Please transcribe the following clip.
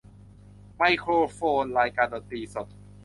ไมโครโฟน รายการดนตรีสด